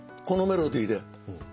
「このメロディーで」